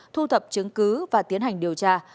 thu thập chứng cứ và tiến hành điều tra